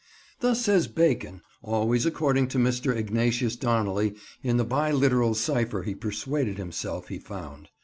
Thus says Bacon; always according to Mr. Ignatius Donnelly, in the bi literal cipher he persuaded himself he found.